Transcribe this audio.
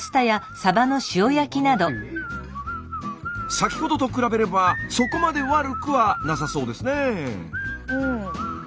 先ほどと比べればそこまで悪くはなさそうですねぇ。